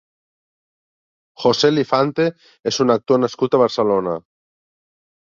José Lifante és un actor nascut a Barcelona.